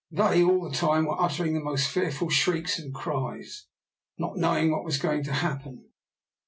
They all the time were uttering the most fearful shrieks and cries, not knowing what was going to happen.